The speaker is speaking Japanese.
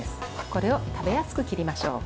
これを食べやすく切りましょう。